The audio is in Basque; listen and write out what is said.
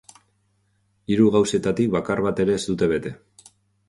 Hiru gauzetatik bakar bat ere ez du bete.